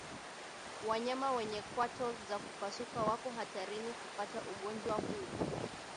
Wanyama wenye kwato za kupasuka wapo hatarini kupata ugonjwa huu